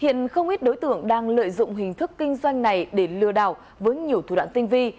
hiện không ít đối tượng đang lợi dụng hình thức kinh doanh này để lừa đảo với nhiều thủ đoạn tinh vi